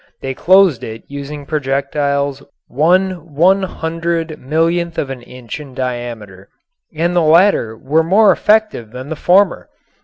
They closed it using projectiles one one hundred millionth of an inch in diameter. And the latter were more effective than the former.